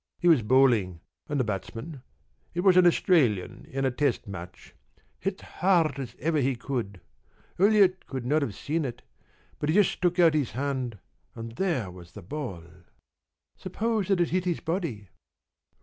He was bowling, and the batsman it was an Australian in a test match hit as hard as ever he could. Ulyett could not have seen it, but he just stuck out his hand and there was the ball." "Suppose it had hit his body?"